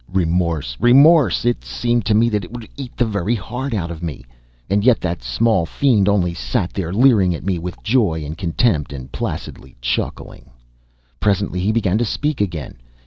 Remorse! remorse! It seemed to me that it would eat the very heart out of me! And yet that small fiend only sat there leering at me with joy and contempt, and placidly chuckling. Presently he began to speak again.